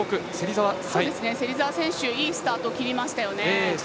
芹澤選手、いいスタートを切りましたね。